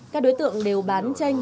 các đối tượng đều bán tranh